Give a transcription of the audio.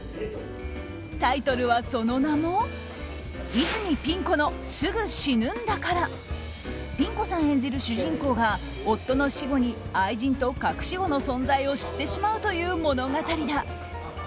タイトルは、その名も「泉ピン子の『すぐ死ぬんだから』」。ピン子さん演じる主人公が夫の死後に愛人と隠し子の存在を知ってしまうという物語だ。